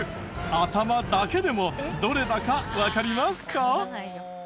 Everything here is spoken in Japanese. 頭だけでもどれだかわかりますか？